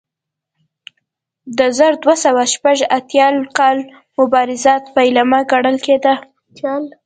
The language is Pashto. د زر دوه سوه شپږ اتیا کال مبارزات پیلامه ګڼل کېده.